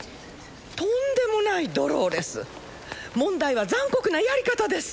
とんでもないドローレス問題は残酷なやり方です